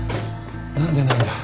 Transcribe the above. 何でないんだ。